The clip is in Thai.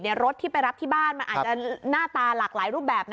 รถที่ไปรับที่บ้านมันอาจจะหน้าตาหลากหลายรูปแบบนะ